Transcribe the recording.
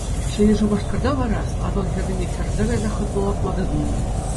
Ҫӗнӗ Шупашкарта вара Атӑл хӗррине хӗрсе кайсах хӑтлӑлатма тытӑннӑ.